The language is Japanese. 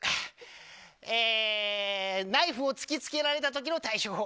えー、ナイフを突きつけられた時の対処法。